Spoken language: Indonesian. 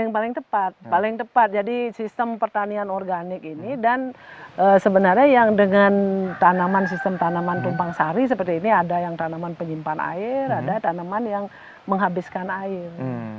yang paling tepat paling tepat jadi sistem pertanian organik ini dan sebenarnya yang dengan tanaman sistem tanaman tumpang sari seperti ini ada yang tanaman penyimpan air ada tanaman yang menghabiskan air